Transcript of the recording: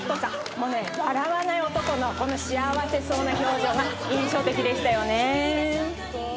もうね笑わない男のこの幸せそうな表情が印象的でしたよね。